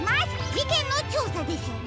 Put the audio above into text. じけんのちょうさですよね。